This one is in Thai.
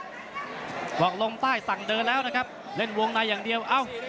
บอกลงใต้สั่งเดินแล้วนะครับเล่นวงในอย่างเดียวเอ้า